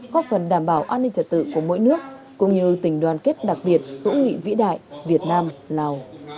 góp phần đảm bảo an ninh trật tự của mỗi nước cũng như tình đoàn kết đặc biệt hữu nghị vĩ đại việt nam lào